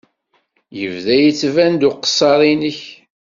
Yebda yettban-d uqeṣṣer-nnek.